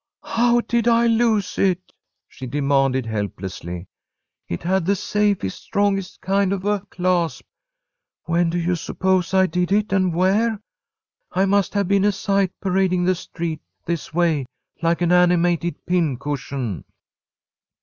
"How did I lose it?" she demanded, helplessly. "It had the safest, strongest kind of a clasp. When do you suppose I did it, and where? I must have been a sight parading the street this way like an animated pincushion."